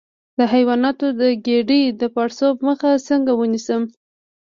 د حیواناتو د ګیډې د پړسوب مخه څنګه ونیسم؟